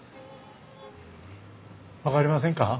分かりませんか？